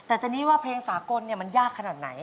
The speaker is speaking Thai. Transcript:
แต่ตอนนี้ว่าเพลงสากลมันยากขนาดไหน